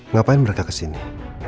ngapain mereka ke sini